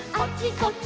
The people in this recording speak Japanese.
こっち！